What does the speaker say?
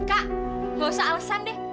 kak nggak usah alesan deh